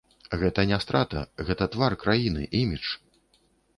Гэта не страта, гэта твар краіны, імідж.